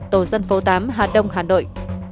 tổ dân phố tám hà đông hà nội